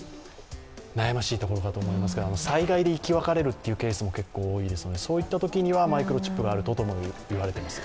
悩ましいところかと思いますが、災害で生き別れるケースも結構多いですので、そういったときにはマイクロチップがあると、とも言われています。